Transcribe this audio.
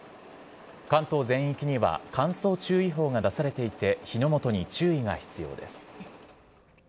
関東全域には乾燥注意報が出されていて、火の元に注意が必要です。